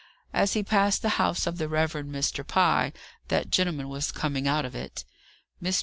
As he passed the house of the Reverend Mr. Pye, that gentleman was coming out of it. Mr.